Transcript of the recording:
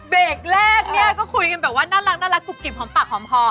เบรกแรกเนี่ยก็คุยกันแบบว่าน่ารักกรุบกิบหอมปากหอมคอ